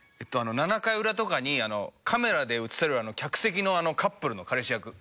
７回裏とかにカメラで映される客席のカップルの彼氏役。